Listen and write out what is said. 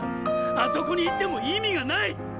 あそこに行っても意味がないっ！